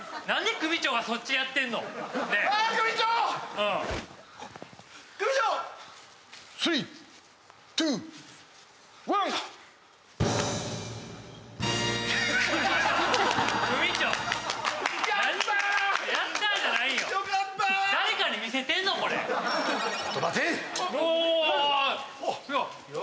組長、やったじゃないのよ。